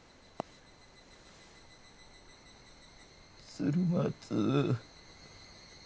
鶴松。